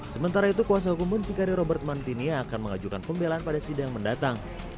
sementara itu kuasa hukum bunci kari robert mantinia akan mengajukan pembelan pada sidang mendatang